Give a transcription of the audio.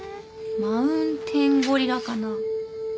マウンテンゴリラかな？